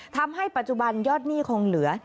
ทำให้ปัจจุบันยอดหนี้คงเหลือ